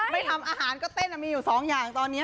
ไม่ทำอาหารก็เต้นมีอยู่สองอย่างตอนนี้